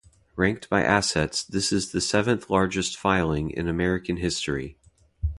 Ranked by assets, this is the seventh largest filing in American history.